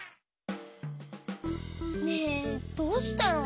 ねえどうしたの？